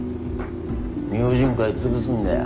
「明神会」潰すんだよ。